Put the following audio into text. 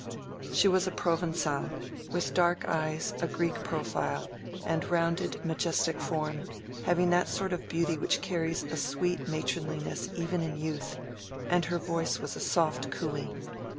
She was a Provencale, with dark eyes, a Greek profile, and rounded majestic form, having that sort of beauty which carries a sweet matronliness even in youth, and her voice was a soft cooing.